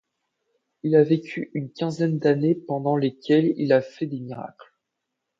Il y a vécu une quinzaine d'années pendant lesquelles il a fait des miracles.